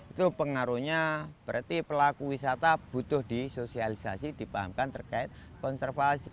itu pengaruhnya berarti pelaku wisata butuh disosialisasi dipahamkan terkait konservasi